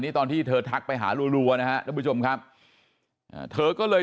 ตอนที่เธอทักไปหารัวนะฮะทุกผู้ชมครับเธอก็เลย